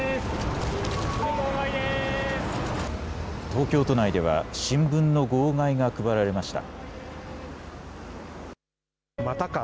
東京都内では新聞の号外が配られました。